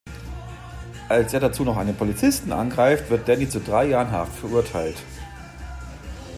Als er dazu noch einen Polizisten angreift, wird Danny zu drei Jahren Haft verurteilt.